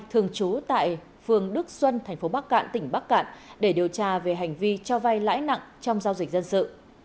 thường trú tại phường đức xuân tp bắc cạn tỉnh bắc cạn để điều tra về hành vi cho vay lãi nặng trong giao dịch dân sự